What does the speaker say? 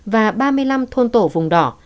và ba mươi năm thôn tổ vùng đỏ